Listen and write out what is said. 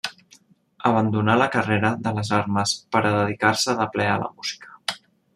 Abandonà la carrera de les armes per a dedicar-se de ple a la música.